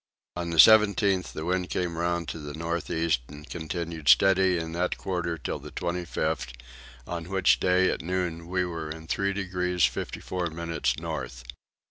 On the 17th the wind came round to the north east and continued steady in that quarter till the 25th on which day at noon we were in 3 degrees 54 minutes north.